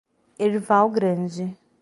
Erval Grande